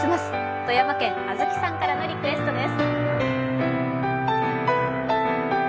富山県、あずきさんからのリクエストです。